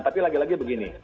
tapi lagi lagi begini